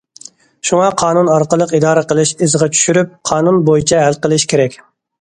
شۇڭا قانۇن ئارقىلىق ئىدارە قىلىش ئىزىغا چۈشۈرۈپ قانۇن بويىچە ھەل قىلىش كېرەك.